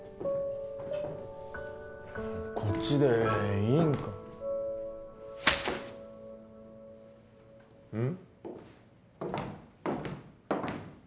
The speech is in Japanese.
こっちでいいんかうん？